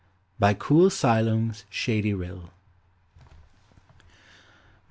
"BY COOL SILOAM'S SHADY RILL."